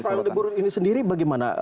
frank de boer ini sendiri bagaimana